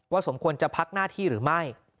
สมควรจะพักหน้าที่หรือไม่